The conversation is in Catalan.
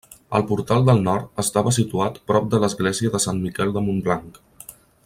El portal del Nord estava situat prop de l'església de Sant Miquel de Montblanc.